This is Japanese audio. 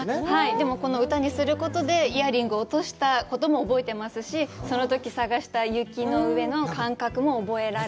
でも、この歌にすることで、イヤリングを落としたことも覚えてますし、そのとき探した雪の上の感覚も覚えられる。